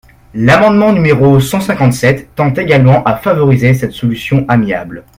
L’amendement numéro cent cinquante-sept tend également à favoriser cette solution amiable.